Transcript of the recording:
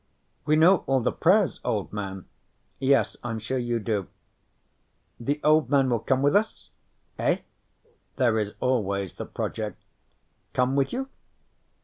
"We know all the prayers, Old Man." "Yes, I'm sure you do." "The Old Man will come with us." "Eh?" There is always The Project. "Come with you?"